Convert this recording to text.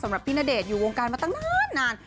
สำหรับพี่ณเดชน์อยู่วงการมาตั้งนาน